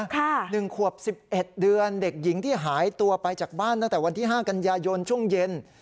ค่ะ๑ขวบ๑๑เดือนเด็กหญิงที่หายตัวไปจากบ้านตั้งแต่วันที่๕กันยายนช่วงเย็น